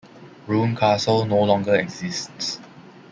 Rouen Castle no longer exists.